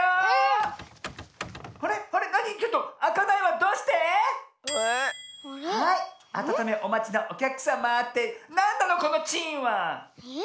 どうして⁉はいあたためおまちのおきゃくさまってなんなのこのチーンは⁉えっ。